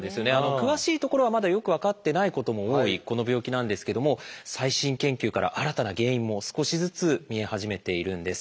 詳しいところはまだよく分かってないことも多いこの病気なんですけども最新研究から新たな原因も少しずつ見え始めているんです。